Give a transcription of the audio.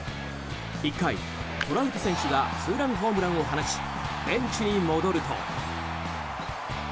１回、トラウト選手がツーランホームランを放ちベンチに戻ると。